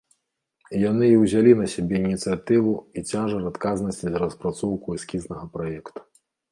Яны і ўзялі на сябе ініцыятыву і цяжар адказнасці за распрацоўку эскізнага праекту.